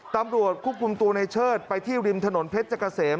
ตำรวจควบคุมตัวในเชิดไปที่ริมถนนเพชรเกษม